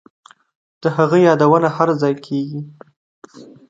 د هغه یادونه هرځای کیږي